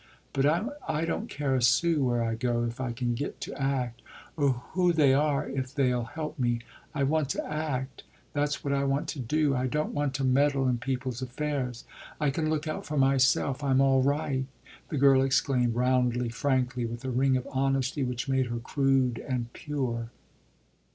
But I don't care a sou where I go if I can get to act, or who they are if they'll help me. I want to act that's what I want to do; I don't want to meddle in people's affairs. I can look out for myself I'm all right!" the girl exclaimed roundly, frankly, with a ring of honesty which made her crude and pure.